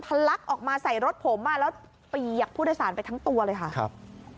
ลักออกมาใส่รถผมอ่ะแล้วเปียกผู้โดยสารไปทั้งตัวเลยค่ะครับ